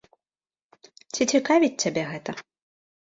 Ці цікавіць цябе гэта?